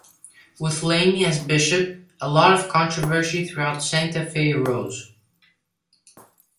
With Lamy as bishop, a lot of controversy throughout Santa Fe arose.